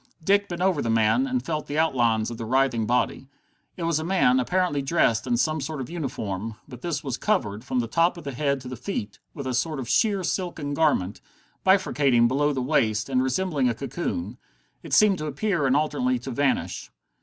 Dick bent over the man, and felt the outlines of the writhing body. It was a man, apparently dressed in some sort of uniform, but this was covered, from the top of the head to the feet, with a sort of sheer silken garment, bifurcating below the waist, and resembling a cocoon. It seemed to appear and alternately to vanish.